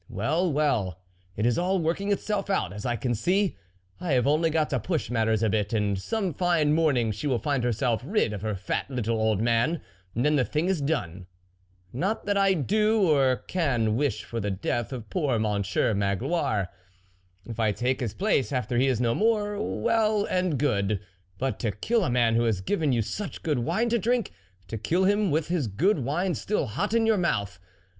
Well, well, it is all working itself out, as I can see ; I have only got to push matters a bit ; and some fine morn THE WOLF LEADER 61 ing she will find herself rid of her fat little old man, and then the thing is done. Not that I do, or can, wish for the death of poor Monsieur Magloire. If I take his place after he is no more, well and good ; but to kill a man who has given you such good wine to drink ! to kill him with his good wine still hot in your mouth